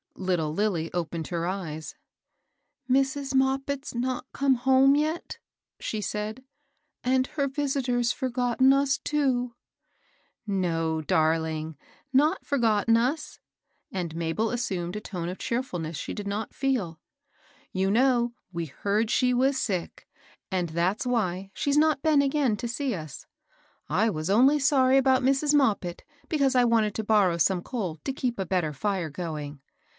Little Lilly opened her eyes. '^ Mrs. Moppit not come home yet ?" she said ;and her visitor's forgotten us, too !'' No, darUng, not forgotten us ;'' and Mabel assumed a tone of cheerftilness she did not feel. " You know we heard she was sick ; and that's why she's not been again to see lis. I was only sorry about Mrs. Moppit because I wanted to borrow Bome coal to keep a better fire going.